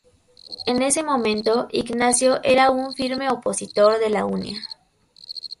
En ese momento, Ignacio era un firme opositor a la Unia.